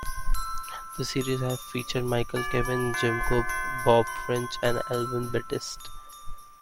The series has featured Michael Carvin, Jimmy Cobb, Bob French, and Alvin Batiste.